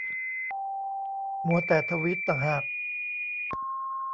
มัวแต่ทวีตต่างหาก